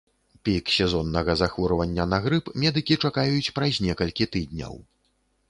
Пік сезоннага захворвання на грып медыкі чакаюць праз некалькі тыдняў.